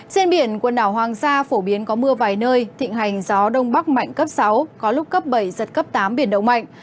trên biển quần đảo hoàng sa phổ biến có mưa vài nơi thịnh hành gió đông bắc mạnh cấp sáu có lúc cấp bảy giật cấp tám biển động mạnh